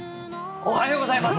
おはようございます！